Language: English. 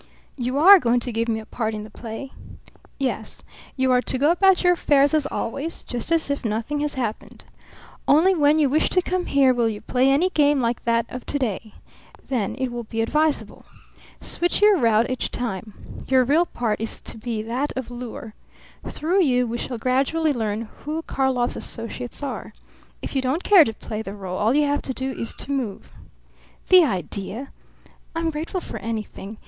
"You are going to give me a part in the play?" "Yes. You are to go about your affairs as always, just as if nothing had happened. Only when you wish to come here will you play any game like that of to day. Then it will be advisable. Switch your route each time. Your real part is to be that of lure. Through you we shall gradually learn who Karlov's associates are. If you don't care to play the role all you have to do is to move." "The idea! I'm grateful for anything.